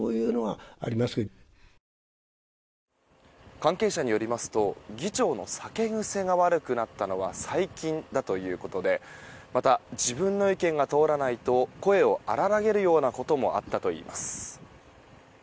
関係者によりますと議長の酒癖が悪くなったのは最近だということでまた、自分の意見が通らないと声を荒らげるようなこともあったといいます。